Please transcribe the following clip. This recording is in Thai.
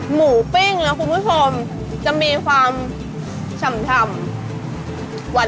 หมูปิ้งนะคุณผู้ชมจะมีความฉ่ำ